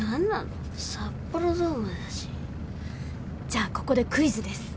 じゃあここでクイズです。